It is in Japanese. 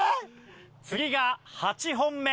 次が８本目。